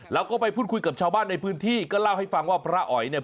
แล้วก็ไปพูดคุยกับชาวบ้านในพื้นที่ก็เล่าให้ฟังว่าพระอ๋อยเนี่ย